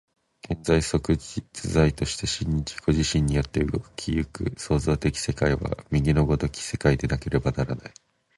現象即実在として真に自己自身によって動き行く創造的世界は、右の如き世界でなければならない。